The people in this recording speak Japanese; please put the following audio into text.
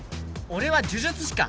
俺は呪術師か！